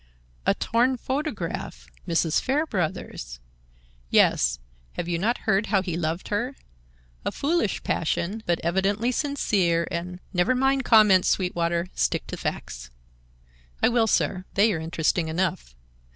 "A torn photograph! Mrs. Fairbrother's!" "Yes. Have you not heard how he loved her? A foolish passion, but evidently sincere and—" "Never mind comments, Sweetwater. Stick to facts." "I will, sir. They are interesting enough.